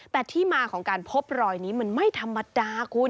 แต่ที่มาของการพบรอยนี้มันไม่ธรรมดาคุณ